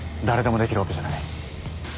誰でもできるわけじゃない。